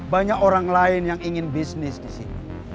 banyak orang lain yang ingin bisnis di sini